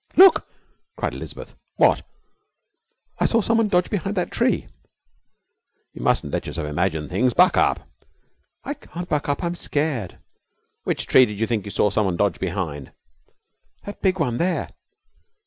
'Look!' cried Elizabeth. 'What?' 'I saw someone dodge behind that tree.' 'You mustn't let yourself imagine things. Buck up!' 'I can't buck up. I'm scared.' 'Which tree did you think you saw someone dodge behind?' 'That big one there.'